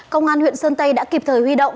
công an huyện sơn tây đã kịp thời huy động